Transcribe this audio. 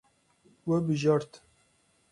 We bijart.